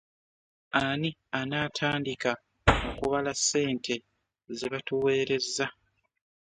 Ani anaatandika okubala sente ze batuweerezza?